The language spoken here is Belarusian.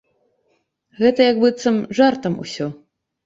Гэта як быццам жартам усё.